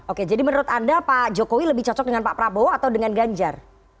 oke jadi menurut anda pak jokowi lebih cocok dengan pak prabowo atau dengan ganjar